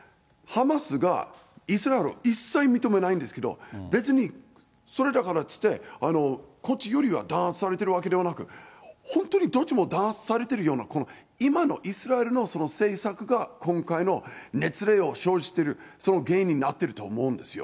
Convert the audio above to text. ハマスが一切認めてないんですけど、別にそれだからといって、こっちよりは弾圧されてるわけではなく、本当にどっちも弾圧されているような、今のイスラエルのその政策が今回のを生じている、原因になっていると思うんですよ。